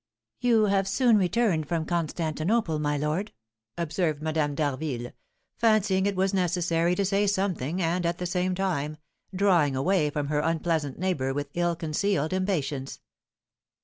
"You have soon returned from Constantinople, my lord," observed Madame d'Harville, fancying it was necessary to say something, and, at the same time, drawing away from her unpleasant neighbour with ill concealed impatience.